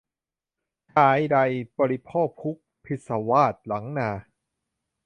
ชายใดบริโภคภุญช์ พิศวาส หวังนา